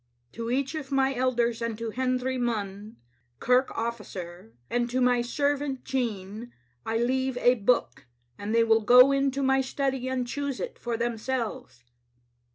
" To each of my elders, and to Hendry Munn, kirk ofiicer, and to my servant Jean, I leave a book, and they will go to my study and choose it for themselves.